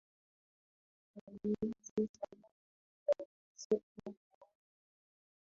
haiendi sambamba na ongezeko la watu